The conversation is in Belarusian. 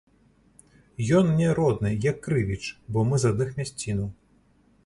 Ён мне родны, як крывіч, бо мы з адных мясцінаў.